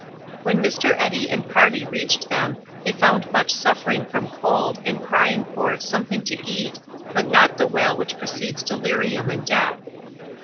When Mr. Eddy and party reached them, they found much suffering from cold and crying for "something to eat," but not the wail which precedes delirium and death.